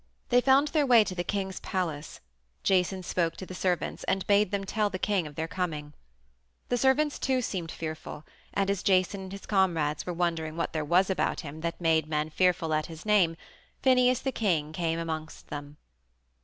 They found their way to the king's palace. Jason spoke to the servants and bade them tell the king of their coming. The servants, too, seemed fearful, and as Jason and his comrades were wondering what there was about him that made men fearful at his name, Phineus, the king, came amongst them.